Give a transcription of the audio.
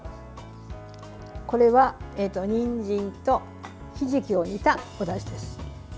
これは、にんじんとひじきを煮たおだしです。